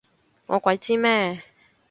我鬼知咩？